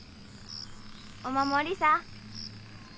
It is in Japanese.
お守りさぁ。